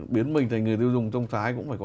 biến mình thành người tiêu dùng trong trái cũng phải có